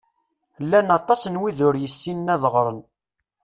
Llan aṭas n wid ur yessinen ad ɣren.